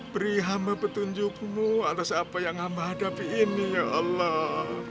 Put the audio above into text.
beri hama petunjukmu atas apa yang hama hadapi ini ya allah